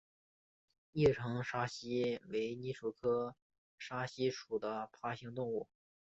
叶城沙蜥为鬣蜥科沙蜥属的爬行动物。